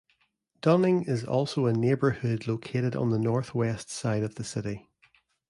Dunning also is a neighborhood located on the Northwest Side of the city.